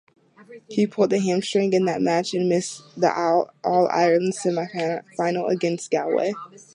He pulled a hamstring in that match and missed the All-Ireland semi-final against Galway.